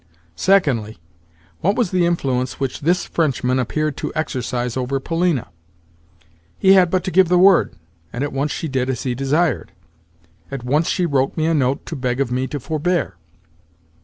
Secondly, what was the influence which this Frenchman appeared to exercise over Polina? He had but to give the word, and at once she did as he desired—at once she wrote me a note to beg of me to forbear!